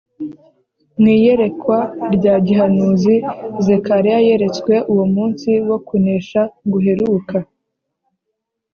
mu iyerekwa rya gihanuzi, zekariya yeretswe uwo munsi wo kunesha guheruka;